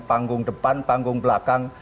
panggung depan panggung belakang